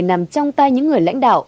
nằm trong tay những người lãnh đạo